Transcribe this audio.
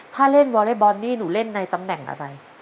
ถ้าเล่นวอเล็กบอลนี่หนูเล่นในตำแหน่งอะไร